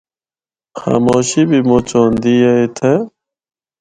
خاموشی بھی مُچ ہوندی اے اِتھا۔